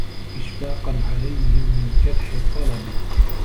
إشْفَاقًا عَلَيْهِمْ مِنْ كَدْحِ الطَّلَبِ